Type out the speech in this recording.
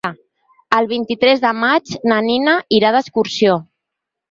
El vint-i-tres de maig na Nina irà d'excursió.